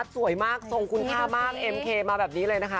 สวยมากทรงคุณค่ามากเอ็มเคมาแบบนี้เลยนะคะ